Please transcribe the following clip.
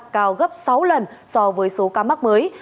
cao gấp sáu lần so với số ca mắc mới